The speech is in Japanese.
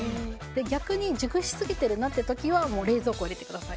逆に熟しすぎてるなっていう時は冷蔵庫に入れてください。